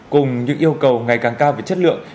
cùng những yêu cầu ngày càng cao về chất lượng